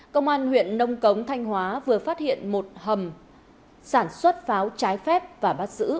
công an huyện nông cống thanh hóa vừa phát hiện một hầm sản xuất pháo trái phép và bắt giữ